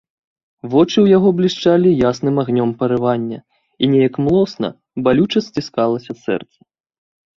Вочы ў яго блішчалі ясным агнём парывання, і неяк млосна, балюча сціскалася сэрца.